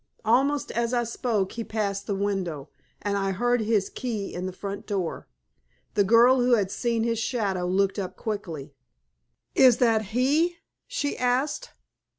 Almost as I spoke he passed the window, and I heard his key in the front door. The girl, who had seen his shadow, looked up quickly. "Is that he?" she asked.